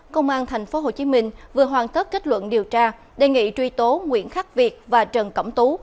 công an tp hcm vừa hoàn tất kết luận điều tra đề nghị truy tố nguyễn khắc việt và trần cẩm tú